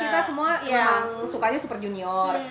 awalnya kita semua memang sukanya super junior